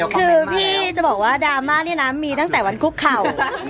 คือพี่จะบอกว่าดราม่านี่นะมีตั้งแต่วันคุกเข่า